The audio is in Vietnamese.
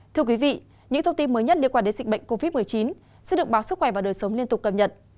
thưa quý vị những thông tin mới nhất liên quan đến dịch bệnh covid một mươi chín sẽ được báo sức khỏe và đời sống liên tục cập nhật